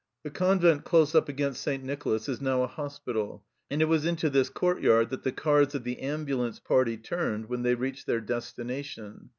The convent close up against St. Nicholas is now a hospital, and it was into this courtyard that the cars of the ambulance party turned when they reached their destination.